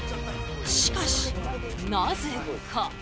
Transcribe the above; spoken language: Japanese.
しかしなぜか。